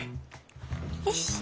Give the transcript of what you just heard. よし！